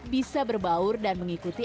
bisa berbaur dan mengikuti